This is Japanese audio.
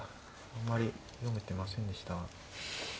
あんまり読めてませんでしたが。